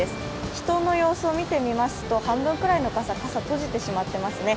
人の様子を見てみますと半分くらいの方、傘閉じてしまっていますね。